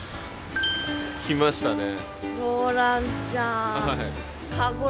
来ましたね。